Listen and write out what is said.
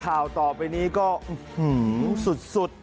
ข่าวต่อไปนี้ก็สุด